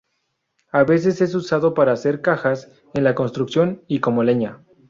A veces es usado para hacer cajas, en la construcción, y como leña.